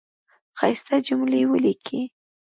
ښایسته جملی ولیکی